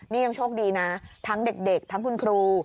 นี่ยังโชคดีนะทั้งเด็กทั้งคุณครู